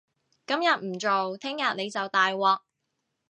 今日唔做，聽日你就大鑊